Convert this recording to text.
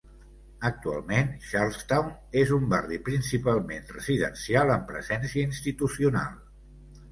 Actualment, Charlestown és un barri principalment residencial amb presència institucional.